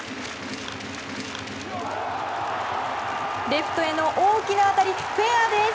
レフトへの大きな当たりフェアです。